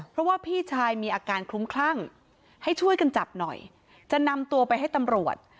เพราะว่าพี่ชายมีอาการคลุ้มคลั่งให้ช่วยกันจับหน่อยจะนำตัวไปให้ตำรวจ